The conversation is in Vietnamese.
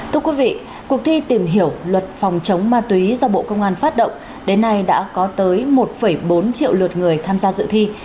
thưa quý vị cuộc thi tìm hiểu luật phòng chống ma túy do bộ công an phát động đến nay đã có tới một bốn triệu lượt người tham gia dự thi